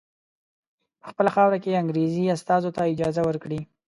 په خپله خاوره کې انګریزي استازو ته اجازه ورکړي.